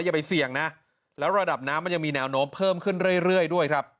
อย่าไปเสี่ยงนะแล้วระดับน้ำมันยังมีแนวโน้มเพิ่มขึ้นเรื่อยด้วยครับ